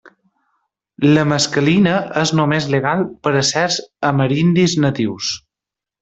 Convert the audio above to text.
La mescalina és només legal per a certs amerindis natius.